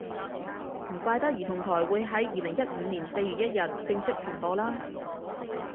唔怪得兒童台會喺二零一五年四月一日正式停播啦